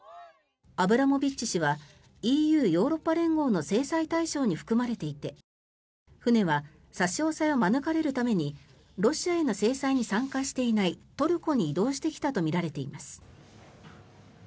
アブラモビッチ氏はＥＵ・ヨーロッパ連合の制裁対象に含まれていて船は差し押さえを免れるためにロシアへの制裁に参加していないトルコに移動してきたとみられています。